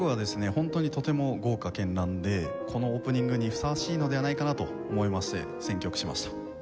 本当にとても豪華絢爛でこのオープニングにふさわしいのではないかなと思いまして選曲しました。